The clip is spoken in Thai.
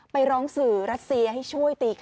ไปร้องสื่อรัสเซียให้ช่วยตีค่ะ